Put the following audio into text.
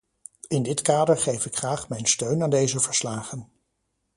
In dit kader geef ik graag mijn steun aan deze verslagen.